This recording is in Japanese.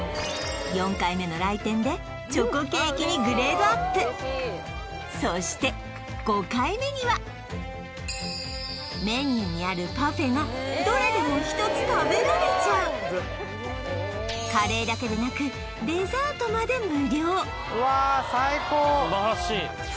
４回目の来店でチョコケーキにグレードアップそして５回目にはメニューにあるパフェがどれでも１つ食べられちゃうカレーだけでなくデザートまで無料うわ